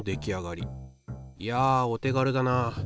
いやお手軽だな。